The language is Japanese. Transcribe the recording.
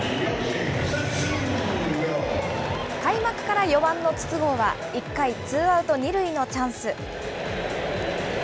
開幕から４番の筒香は、１回、ツーアウト２塁のチャンス。